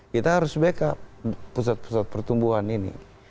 kita harus backup pusat pusat pertumbuhan ini